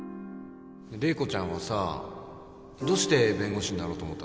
麗子ちゃんはさどうして弁護士になろうと思ったの？